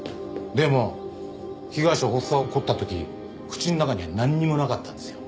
でも被害者は発作が起こった時口の中にはなんにもなかったんですよ。